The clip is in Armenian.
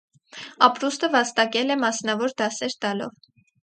Ապրուստը վաստակել է մասնավոր դասեր տալով։